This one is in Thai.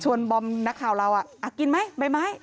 ชวนบอมนะข่าวเราคิดไหมใบไม้